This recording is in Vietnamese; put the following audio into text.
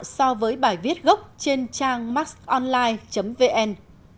so với bài viết gốc trên trang maxonline vn